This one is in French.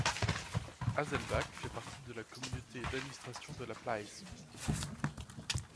Haselbach fait partie de la Communauté d'administration de la Pleiße.